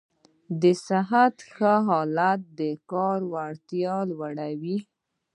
د صحت ښه حالت د کار وړتیا لوړوي.